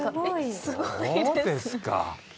どうですか？